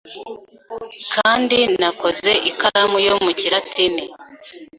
Kandi nakoze ikaramu yo mucyiratini